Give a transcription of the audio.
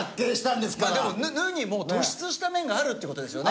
まあでも「ぬ」にも突出した面があるって事ですよね。